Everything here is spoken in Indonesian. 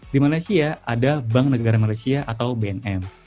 di malaysia ada bank negara malaysia atau bnm